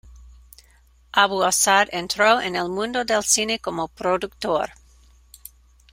Abu-Assad entró en el mundo del cine como productor.